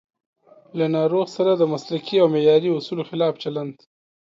له ناروغ سره د مسلکي او معیاري اصولو خلاف چلند